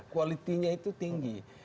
kualitinya itu tinggi